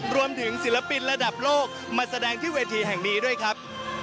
ศิลปินระดับโลกมาแสดงที่เวทีแห่งนี้ด้วยครับ